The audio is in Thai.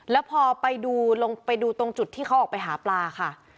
แล้วพอไปดูลงไปดูตรงจุดที่เขาออกไปหาปลาค่ะ